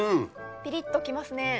ピリっときますね。